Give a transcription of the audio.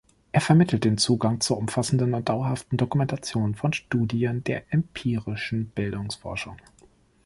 Er vermittelt den Zugang zur umfassenden und dauerhaften Dokumentation von Studien der empirischen Bildungsforschung.